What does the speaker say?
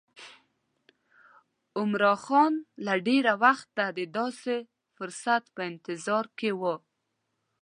عمرا خان له ډېره وخته د داسې فرصت په انتظار و.